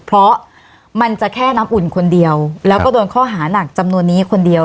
เพราะมันจะแค่น้ำอุ่นคนเดียวแล้วก็โดนข้อหานักจำนวนนี้คนเดียว